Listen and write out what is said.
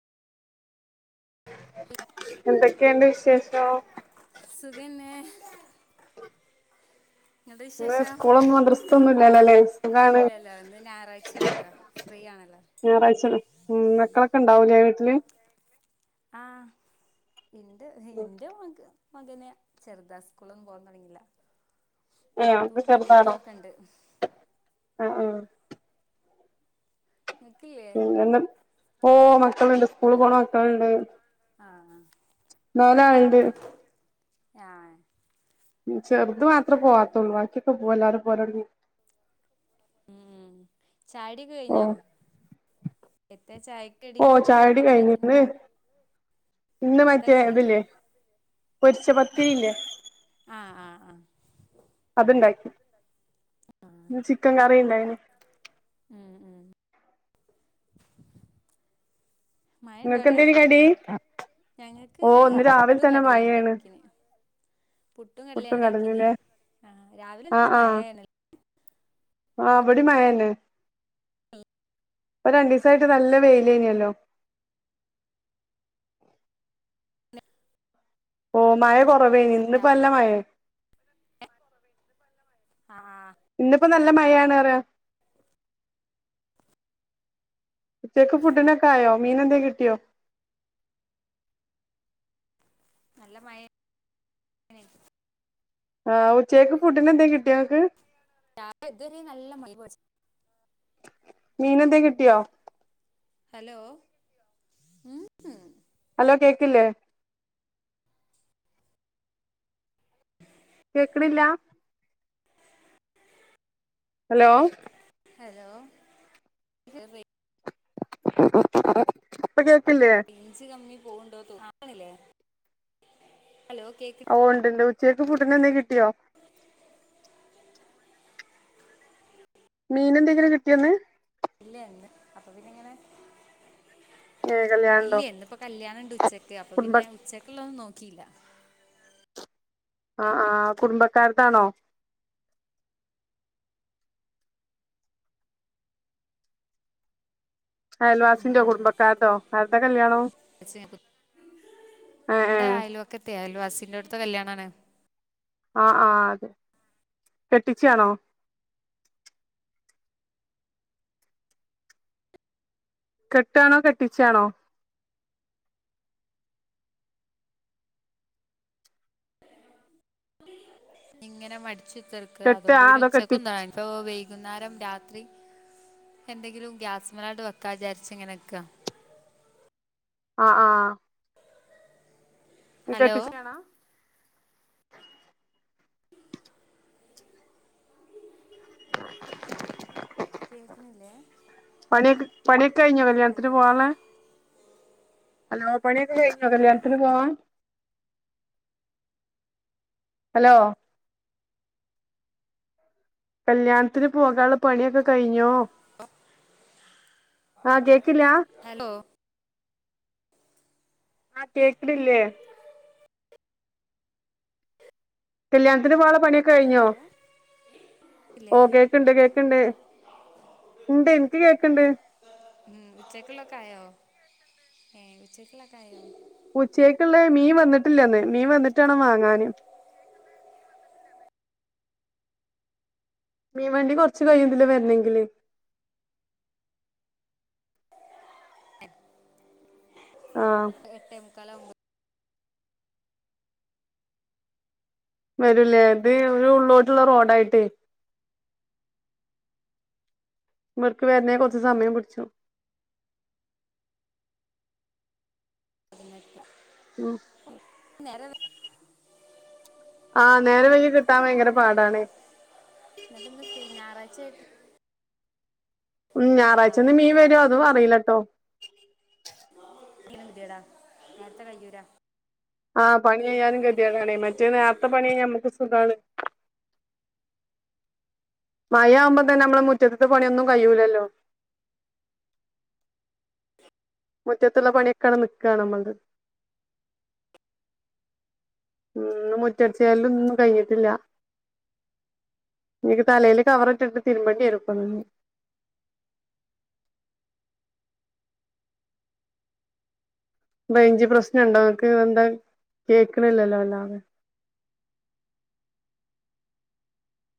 എന്തൊക്കേണ്ട് വിശേഷം. സുഖന്നേ. ഇങ്ങൾത് ഇന്ന് വിശേഷം. സ്കൂളും മദ്രസ ഒന്നും ഇല്ലല്ലോല്ലേ സുഖാണ് ഇല്ലല്ല ഇന്ന് ഞായറാഴ്ചയാണല്ലോ. ഫ്രീ ആണല്ലോ. ഞായറാഴ്ചണ്. ഉം മക്കളൊക്കെ ണ്ടാവു ലെ വീട്ടില്. ആഹ് ഇണ്ട് ഇന്റെമോൻക്ക് മകന് ചെറ്താ സ്കൂളൊന്നും പോകാൻതുടങ്ങിയില്ല ഏ ഒക്കെ നാത്തൂമാര മക്കളൊക്കെണ്ട് ആഹ് ആഹ് നിങ്ങക്കില്ലേ പിന്നെന്താ ഓ മക്കള്ണ്ട് സ്കൂള്പോണ മക്കളുണ്ട് ആഹ് ആഹ് നാലാൾണ്ട് ഞാ ചെർത് മാത്രേ പോവാത്തുള്ളു ബാക്കിയൊക്കെപോവാ എല്ലാരുംപോവാലൊട്ങ്ങി ഉം ഓ ചായുടിക്കെകഴിഞ്ഞോ എത്തെ ചായ ഓ ചായുടികഴിഞ് ഇന്ന് ഇന്ന് എത്ത കടിയുണ്ട് മറ്റേഇതില്ലേ പൊരിച്ചപത്തിരിയില്ലേ ആഹ് ആഹ് ആഹ് അത്ണ്ടാക്കി പിന്നെ ചിക്കൻകറി ഉണ്ടായിന് ഉം ഉം മഴണ്ടോ നിങ്ങക്ക് അവിടെ എന്തേനി കടി ഞങ്ങക്ക് ഓ ഇന്ന് രാവിലെ പുട്ടും തന്നെ കടലയും മഴയാണ് ഉണ്ടാക്കിന് പുട്ടും കടലണ്ടാക്കിനെ ആ രാവിലെ ആ നല്ല മഴയാണല്ല ആ ഇവിടെ മായേന്നെ ആ ഇപ്പ രണ്ട് ദിവസമായിട്ട് നല്ല വെയിലേനല്ലോ ഓ മഴ കുറവേന്നിപ്പ നല്ല മഴ ആഹ് ഇന്നിപ്പോ നല്ല മഴയാണ്റയാ ഉച്ചക്ക് ഫുഡിനെക്കൊയോ മീനന്തേലും കിട്ടിയോ നല്ല മഴ യേണ് ആഹ് ഉച്ചക്കക്ക് ഫുഡ്നന്തലും കിട്ടിയങ്ങക്ക് ച ഇത് വരെനല്ല മഴാ മീനന്തെ കിട്ടിയോ ഹലോ ഉ ഉം ഹലോ കേക്കില്ലേ കേക്ക്ണില്ല ഹലോ ഹലോ റെയ് ഇപ്പ കേക്കില്ലേ റേഞ്ച്കമ്മി പോണ്ടോ തോന്നു ഹലോ കേക്കില്ലേ ഓ ഉണ്ട്ണ്ട് ഉച്ചക്ഫുഡിനന്തേലും കിട്ടിയോ മീനന്തെങ്കിലും കിട്ടിയോന്ന് ഇല്ലന്ന് അപ്പൊ പിന്നങ്ങനെ ഏഹ് ഇല്ല കല്യാണണ്ടോ എന്നിപ്പോ കല്യാണണ്ട് ഉച്ചക്ക് അപ്പൊ കുടുംബ പിന്നെ ഉച്ചക്കുള്ള തൊന്നും നോക്കിയില്ല ആഹ് ആഹ് കുടുംബക്കാരതാണോ അയൽവാസിന്റൊ കുടുംബക്കാരതോ ആരതാ കല്യാണം ഏഹ് ഇവിടെ ഏഹ് അയലോകത്തെ ആയൽവാസിന്റെടുത്തെ കല്യാണണ് ആഹ്ആഹ് അതെ കെട്ടിച്ചാണോ കെട്ടാണോ കെട്ടിച്ചാണോ ഇങ്ങനെ മടിച്ചുത്തർക്ക കെട്ട അതുകൊണ്ട് ആ പിന്നെ അതോ കെട്ടി ഉച്ചക്കൊന്ന അ പ്പോ വൈകുന്നേരം രാത്രി. എന്തെങ്കിലും ഗ്യാസ്മലാഡ് വെക്കാ വിചാര്ച്ങ്ങനെ നിക്ക. ആഹ് ആഹ്. ഹലോ കെട്ടിച്ചിണേണാ. കേൾക്കുന്നില്ലേ പണ്യൊക്ക പണ്യൊകഴിഞ്ഞ കല്യാണത്തിന് ഹലോ പോവാള്ളെ. ഹലോ പണ്യൊക്കെ കഴിഞ്ഞോ കല്യാണത്തിന് പോകാൻ. ഹലോ. കല്ല്യാൺത്തിന് പോകാള്ള പണിയൊക്കെ കഴിഞ്ഞോ. ആഹ് ക്കേക്ക്ല്ല. ഹലോ. ആഹ് കേക്ക്ണില്ലേ. കല്ല്യാൺത്തിന് പോകാല്ല പണിയൊ ഹലോ. ക് ഓ ല്ലേ. കേക്ക്ണ്ട് കേക്ക്ണ്ട് ഇണ്ട് എനിക്ക് കേക്ക്ണ്ട് ഉം ഉച്ചക്ക്ള്ളൊക്കായോ ഏഹ് ഉച്ചക്ക്ള്ളക്കായോ. ഉച്ചക്കക്ക്ള്ള മീൻ വന്നിട്ടില്ലന്ന് മീൻ വന്നിട്ടാണം വാങ്ങാന്. മീൻ വണ്ടി കൊർച്ച് കയും ഇതിലെ വര്നെങ്കില്. എ. ആ എട്ടെ മുക്കാലാവുമ്പ. വരുലേ ഇത് ഒരു ഉള്ളോട്ടുള്ള റോഡായിട്ടെ. ഇവട്ക്ക് വര്നേ കൊർച്ച് സമയം പുട്ച്ചു. [inaudible] ഉം. നേരം വെ ആഹ് നേരം വയ്കി കിട്ടാൻ ഭയങ്കര എത്താ പാടാണെ. എന്നിട്ട് ഇന്ന് ഫ്രീ ഞായറാഴ്ചയായിട്ട്. ഉം ആ ഞായറാഴ്ചന്ന് മീൻ വരോ പ- അതു അറീലട്ടോ. ഇതെന്തേടോ നേര്ത്തെ കയ്യൂലാ. ആഹ് പണികയിയാനും കെത്യേടാണേ മറ്റേ നേർത്തെ പണികയ്ഞ്ഞാ നമ്മക്ക് സുഖാണ്. മയാവുമ്പ തന്നെ നമ്മളെ മുറ്റത്ത്ത്തെ പണിയൊന്നും കഴിയൂലല്ലോ. മുറ്റത്തുള്ള പണ്യൊക്കടെ നിക്കാ നമ്മൾത്. ഉം ഇന്ന് മുറ്റട്ച്ച് വാരലുന്നും കയ്ഞ്ഞിട്ടില്ല. ഞ്ഞ്ക്ക് തലേല് കവറ്ട്ടിട്ട് തിര്മ്പണ്ടിവരും ഇപ്പന്ന്ഞ്ഞ്. റേഞ്ച് പ്രശ്നണ്ടോ ങ്ങക്ക് എന്താ കേക്ക്ണില്ലല്ലോ വല്ലാതെ.